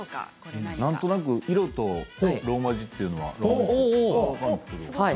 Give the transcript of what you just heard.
何となく色とローマ字というのはね。